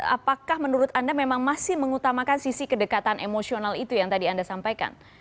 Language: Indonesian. apakah menurut anda memang masih mengutamakan sisi kedekatan emosional itu yang tadi anda sampaikan